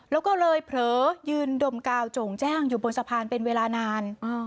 แล้วก็เลยเผลอยืนดมกาวโจ่งแจ้งอยู่บนสะพานเป็นเวลานาน